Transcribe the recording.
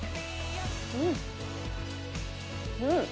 うん。